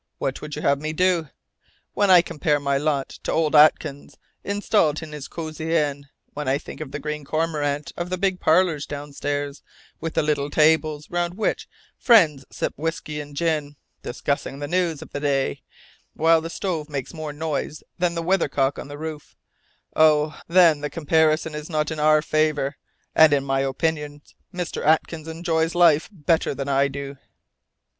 What would you have me do? When I compare my lot to old Atkins, installed in his cosy inn; when I think of the Green Cormorant, of the big parlours downstairs with the little tables round which friends sip whisky and gin, discussing the news of the day, while the stove makes more noise than the weathercock on the roof oh, then the comparison is not in our favour, and in my opinion Mr. Atkins enjoys life better than I do."